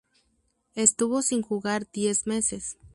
Estuvo sin jugar diez meses.